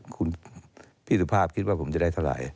คุณพี่สุภาพคิดว่าผมจะได้เท่าไหร่